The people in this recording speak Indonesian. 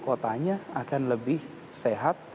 kotanya akan lebih sehat